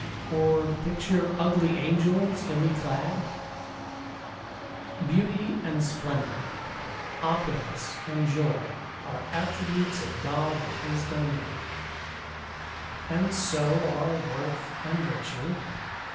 Or picture ugly angels, illy clad? Beauty and splendour, opulence and joy, Are attributes of God and His domain, And so are worth and virtue.